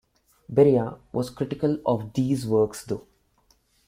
Beria was critical of these works, though.